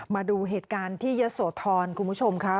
มาดูเหตุการณ์ที่ยศวทรคุณผู้ชมคะ